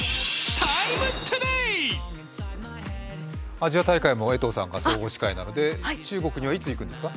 アジア大会も江藤さんが総合司会なので中国にはいつ行くんですか？